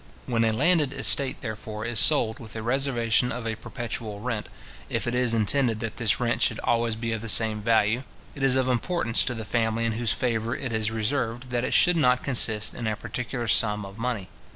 When a landed estate, therefore, is sold with a reservation of a perpetual rent, if it is intended that this rent should always be of the same value, it is of importance to the family in whose favour it is reserved, that it should not consist in a particular sum of money.